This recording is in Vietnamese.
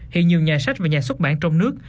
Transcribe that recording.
hiện nhiều nhà sách và nhà xuất bản trong nước